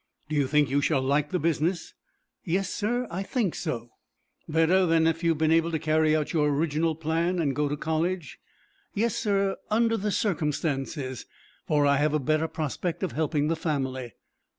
"Do you think you shall like the business?" "Yes, sir, I think so." "Better than if you had been able to carry out your original plan, and go to college?" "Yes, sir, under the circumstances, for I have a better prospect of helping the family."